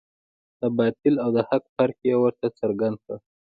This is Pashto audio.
د باطل او د حق فرق یې ورته څرګند کړ.